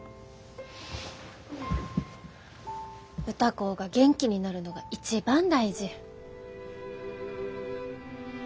歌子が元気になるのが一番大事。